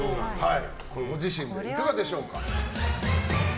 ご自身でいかがでしょうか？